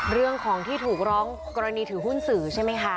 เรื่องของที่ถูกร้องกรณีถือหุ้นสื่อใช่ไหมคะ